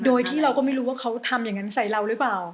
โดยที่เราก็ไม่รู้ว่าเขาทำอย่างนั้นใส่เราหรือเปล่า